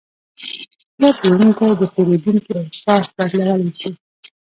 ښه پلورونکی د پیرودونکي احساس بدلولی شي.